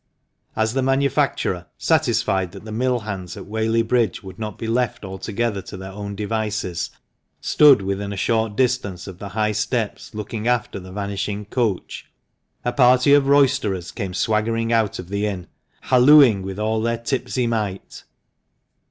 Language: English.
As the manufacturer, satisfied that the mill hands at Whaley Bridge would not be left altogether to their own devices, stood within a short distance of the high steps looking after the vanishing coach, a party of roysterers came swaggering out of the inn, hallooing with all their tipsy might.